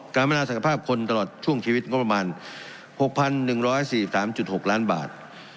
พนาศักยภาพคนตลอดช่วงชีวิตงบประมาณ๖๑๔๓๖ล้านบาท